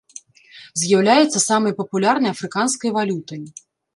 З'яўляецца самай папулярнай афрыканскай валютай.